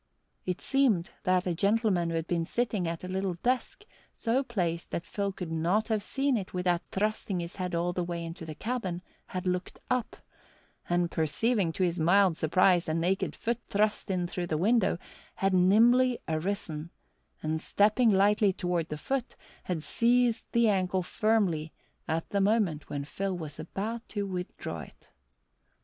It seemed that a gentleman who had been sitting at a little desk, so placed that Phil could not have seen it without thrusting his head all the way into the cabin, had looked up, and, perceiving to his mild surprise a naked foot thrust in through the window, had nimbly arisen, and stepping lightly toward the foot, had seized the ankle firmly at the moment when Phil was about to withdraw it.